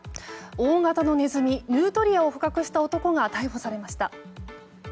大型のネズミヌートリアを捕獲した男が逮捕されました。